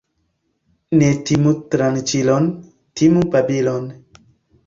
Ne timu tranĉilon, timu babilon.